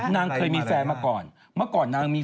นี่ไง